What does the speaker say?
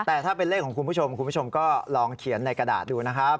แต่ถ้าเป็นเลขของคุณผู้ชมคุณผู้ชมก็ลองเขียนในกระดาษดูนะครับ